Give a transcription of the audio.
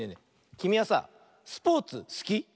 きみはさスポーツすき？